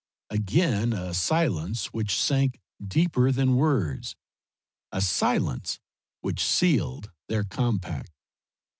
Again a silence which sank deeper than words a silence which sealed their compact.